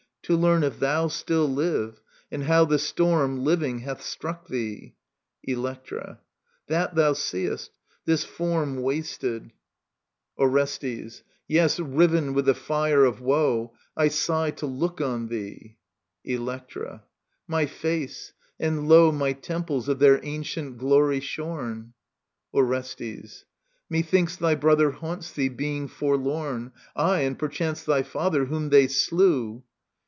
To learn if thou still live, and how the storm. Living, hath struck thee. Electra. That thou seest ; this form Wasted ..• Digitized by VjOOQIC i6 EURIPIDES Orestes. Yea, riven with the fire of woe. I sigh to look on thee. Electra* My &ce ; and, lo^ My temples of their ancient glory shorn. Orestes. Methinks thy brother haunts thee, being forlorn ; Aye, and perchance thy father, whom they slew.